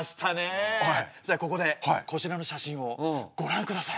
さあここでこちらの写真をご覧ください。